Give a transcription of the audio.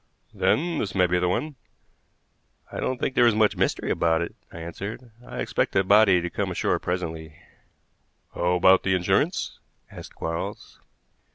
"Then this may be the one." "I don't think there is much mystery about it," I answered. "I expect the body to come ashore presently." "How about the insurance?" asked Quarles.